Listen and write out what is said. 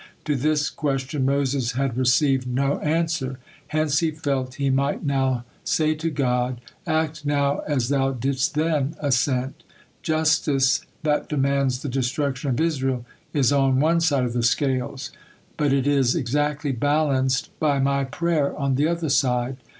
To this question Moses had received no answer, hence he felt he might now say to God: "Act now as Thou didst then assent. Justice, that demands the destruction of Israel, is on one side of the scales, but it is exactly balance by my prayer on the other side.